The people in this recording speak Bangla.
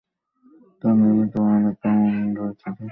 তার নির্মিত অনেক কামান ছিল।